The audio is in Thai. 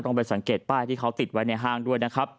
ต้องไปสังเกตป้ายที่เขาติดไว้ในห้างด้วยนะครับ